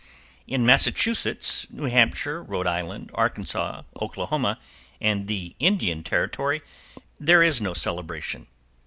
In Massachusetts, New Hampshire, Rhode Island, Arkansas, Oklahoma and the Indian Territory there is no celebration.